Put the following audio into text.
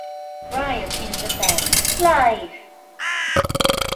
Riot in Japan: Live!!